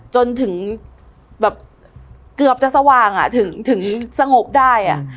จนถึงแบบเกือบจะสว่างถึงสงบได้